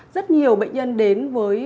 rất nhiều bệnh nhân đến với